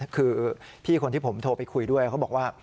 คือพี่คนที่ผมโทรไปคุยด้วยเขาบอกว่า